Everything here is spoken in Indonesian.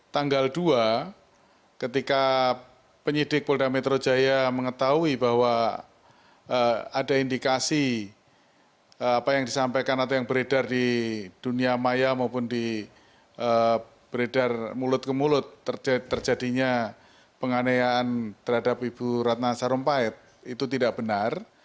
tanggal dua ketika penyidik polda metro jaya mengetahui bahwa ada indikasi apa yang disampaikan atau yang beredar di dunia maya maupun di beredar mulut ke mulut terjadinya penganeaan terhadap ibu ratna sarumpait itu tidak benar